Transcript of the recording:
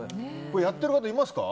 やっている方いますか？